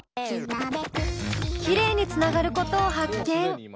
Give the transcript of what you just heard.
きれいにつながることを発見。